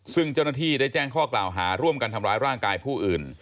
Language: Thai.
ซึ่งเจ้าหน้าที่ได้แจ้งข้อกล่าวหาร่วมกันทำร้ายร่างกายผู้อื่น